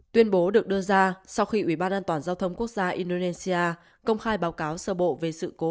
tuyên bố được đưa ra sau khi ubnd quốc gia indonesia công khai báo cáo sơ bộ về sự cố